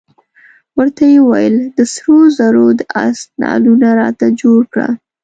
ورته یې وویل د سرو زرو د آس نعلونه راته جوړ کړه.